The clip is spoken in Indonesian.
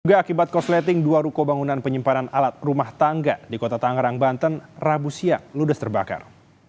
tiga akibat korsleting dua ruko bangunan penyimpanan alat rumah tangga di kota tangerang banten rabu siang ludes terbakar